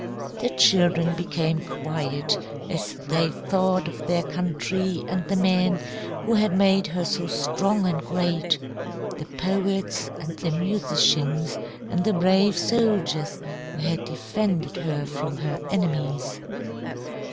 The children became quiet as they thought of their country and the men who had made her so strong and great, the poets, and the musicians, and the brave soldiers who had defended her from her enemies.